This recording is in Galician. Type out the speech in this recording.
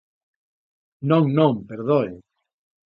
Non, non, perdoen.